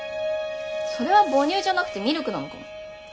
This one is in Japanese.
それは母乳じゃなくてミルクなのかも。